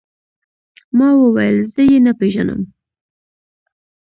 ما وويل زه يې نه پېژنم.